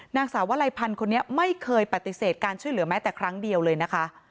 นางสาววลัยพันธ์คนนี้ไม่เคยปฏิเสธการช่วยเหลือแม้แต่ครั้งเดียวเลยนะคะ